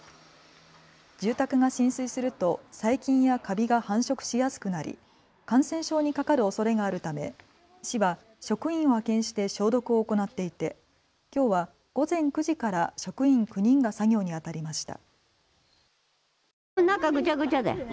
住宅が浸水すると細菌やかびが繁殖しやすくなり感染症にかかるおそれがあるため市は職員を派遣して消毒を行っていてきょうは午前９時から職員９人が作業にあたりました。